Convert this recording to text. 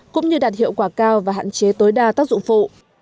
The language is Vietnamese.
cũng như đạt hiệu quả cao và hạn chế tối đa tác dụng phụ